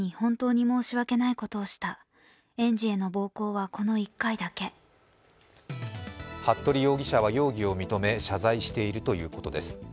またそのうえで服部容疑者は容疑を認め、謝罪しているということです。